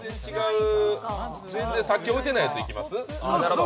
全然さっき置いてないやついきます？